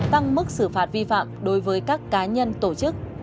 tăng mức xử phạt vi phạm đối với các cá nhân tổ chức